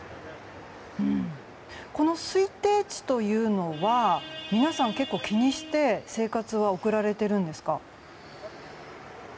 この推定値というのは皆さん、結構気にして生活は送られてるんですか？